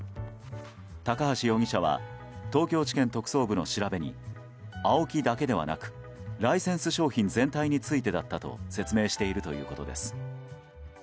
高橋容疑者は東京地検特捜部の調べにＡＯＫＩだけではなくライセンス商品全体についてだったと説明しているということです。